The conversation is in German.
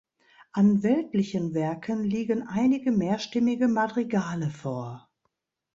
An weltlichen Werken liegen einige mehrstimmige Madrigale vor.